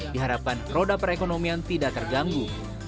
diharapkan roda perekonomian tidak terganggu